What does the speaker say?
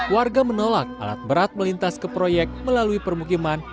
warga menolak alat berat melintas ke proyek melalui permukiman